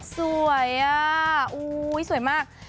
สวยอ่ะอุ๊ยสวยมาก